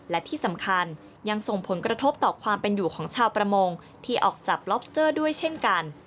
และที่สำคัญยังส่งผลกระทบต่อความเป็นอยู่ของชาวประมงที่ออกจับล็อบสเตอร์ด้วยเช่นกัน